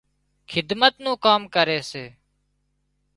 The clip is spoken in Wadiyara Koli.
خدمت نُون ڪام ڪري سي